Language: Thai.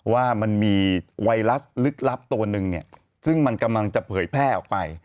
ว่ามันมีไวรัสลึกลับตัวนึงเนี่ยซึ่งมันกำลังจะเผยแพร่ออกไป